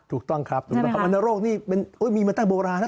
ถูกต้องครับวรรณโรคนี่มีมาตั้งโบราณนะ